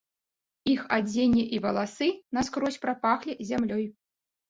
Іх адзенне і валасы наскрозь прапахлі зямлёй.